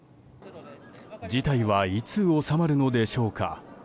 事態はいつ収まるのでしょうか。